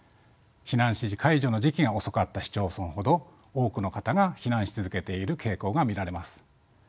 避難指示解除の時期が遅かった市町村ほど多くの方が避難し続けている傾向が見られます。